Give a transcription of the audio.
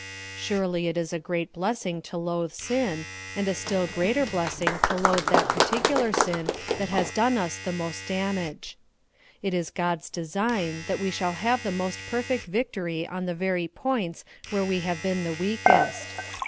Surely it is a great blessing to loath sin, and a still greater blessing to loath that particular sin that has done us the most damage. It is God's design that we shall have the most perfect victory on the very points where we have been the weakest.